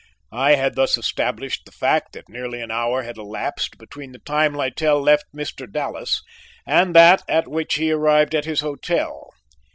I had thus established the fact that nearly an hour had elapsed between the time Littell left Mr. Dallas and that at which he arrived at his hotel.